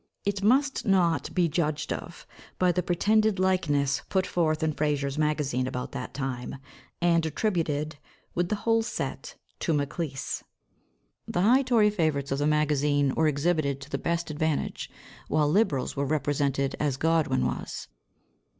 It must not be judged of by the pretended likeness put forth in Fraser's Magazine about that time, and attributed, with the whole set, to Maclise.... The high Tory favourites of the Magazine were exhibited to the best advantage; while Liberals were represented as Godwin was.